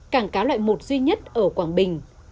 cảng cá loại một duy nhất ở quảng bình